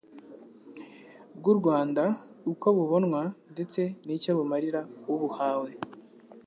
bw'u Rwanda, uko bubonwa, ndetse n'icyo bumarira ubuhawe.